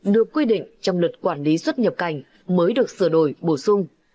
được quy định trong luật quản lý xuất nhập cảnh mới được sửa đổi bổ sung